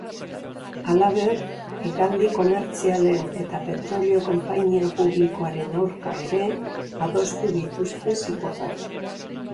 Halaber, hegaldi komertzialen eta petrolio konpainia publikoaren aurka ere adostu dituzte zigorrak.